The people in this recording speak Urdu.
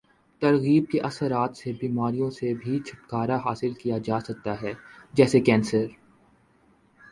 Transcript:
ترغیب کے اثرات سے بیماریوں سے بھی چھٹکارا حاصل کیا جاسکتا ہے جیسے کینسر